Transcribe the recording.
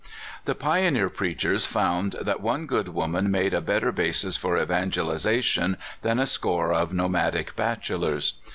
The pioneer preachers found that one good woman made a better basis for evangelization than a score of nomadic bachelors.